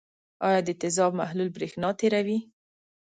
آیا د تیزاب محلول برېښنا تیروي؟